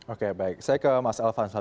oke baik saya ke mas elvanzal